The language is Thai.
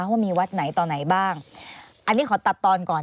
ว่ามีวัดไหนตอนไหนบ้างอันนี้ขอตัดตอนก่อน